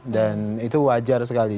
dan itu wajar sekali